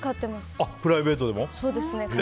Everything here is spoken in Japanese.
プライベートでも？